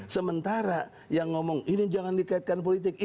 sementara yang ngomong ini jangan dikaitkan politik itu tidak